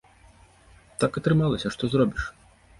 Так атрымалася, што зробіш.